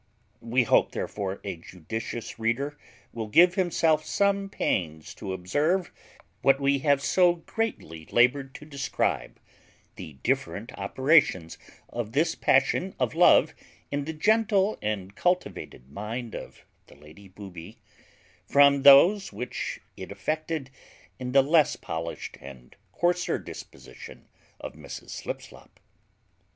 We hope, therefore, a judicious reader will give himself some pains to observe, what we have so greatly laboured to describe, the different operations of this passion of love in the gentle and cultivated mind of the Lady Booby, from those which it effected in the less polished and coarser disposition of Mrs Slipslop.